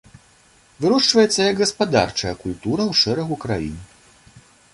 Вырошчваецца, як гаспадарчая культура ў шэрагу краін.